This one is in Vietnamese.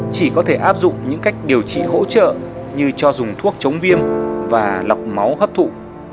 chỉ có thể áp dụng những cách điều trị hỗ trợ như cho dùng thuốc chống viêm và lọc máu hấp thụ